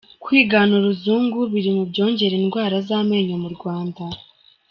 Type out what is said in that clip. Kwigana uruzungu biri mu byongera indwara z’amenyo mu Rwanda